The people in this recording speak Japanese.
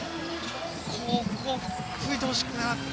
ここ吹いてほしくなかった。